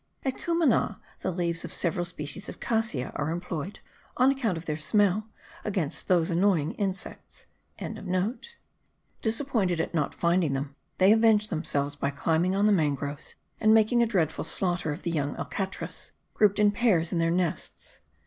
At Cumana the leaves of several species of cassia are employed, on account of their smell, against those annoying insects.) Disappointed at not finding them, they avenged themselves by climbing on the mangroves and making a dreadful slaughter of the young alcatras, grouped in pairs in their nests.